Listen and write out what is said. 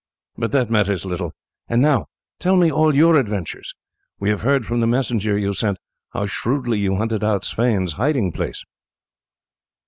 But that matters little. And now tell me all your adventures. We have heard from the messenger you sent how shrewdly you hunted out Sweyn's hiding place."